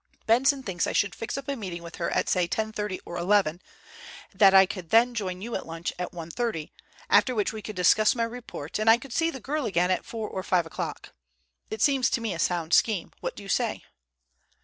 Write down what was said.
Benson thinks I should fix up a meeting with her at say 10.30 or 11, that I could then join you at lunch at 1.30, after which we could discuss my report, and I could see the girl again at 4 or 5 o'clock. It seems to me a sound scheme. What do you say?"